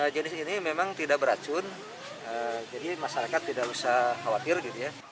jenis ini memang tidak beracun jadi masyarakat tidak usah khawatir gitu ya